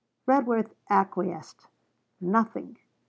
Redworth acquiesced. 'Nothing.'